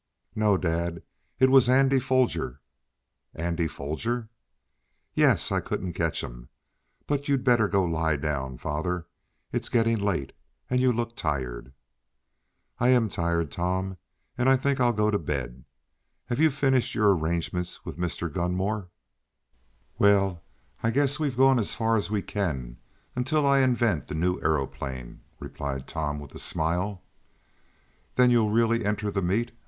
"No, dad. It was Andy Foger." "Andy Foger!" "Yes. I couldn't catch him. But you'd better go lie down, father. It's getting late, and you look tired." "I am tired, Tom, and I think I'll go to bed. Have you finished your arrangements with Mr. Gunmore?" "Well, I guess we've gone as far as we can until I invent the new aeroplane," replied Tom, with a smile. "Then you'll really enter the meet?"